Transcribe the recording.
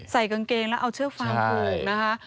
ใส่กางเกงแล้วเอาเชื้อฟ้าภูมินะฮะ